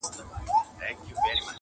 پر سجدوی وي زیارتو کي د پیرانو-